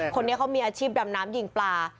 คนนี้เขามีอาชีพดำน้ำยิงปลา